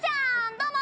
どうも！